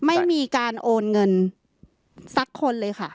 ไม่มีการโอนเงินสักคนเลยค่ะ